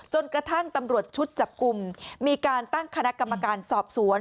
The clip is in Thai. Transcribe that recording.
จนกระทั่งตำรวจชุดจับกลุ่มมีการตั้งคณะกรรมการสอบสวน